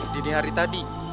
dini hari tadi